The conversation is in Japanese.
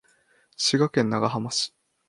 滋賀県長浜市